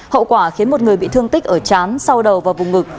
hậu quả khiến một người bị thương tích ở chán sau đầu vào vùng ngực